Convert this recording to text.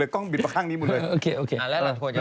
แล้วหลักถ่วงจะต้องทำอะไร